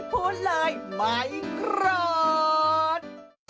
พูดเลยไม่รอด